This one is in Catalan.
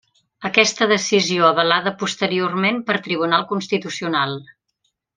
Aquesta decisió avalada posteriorment per Tribunal Constitucional.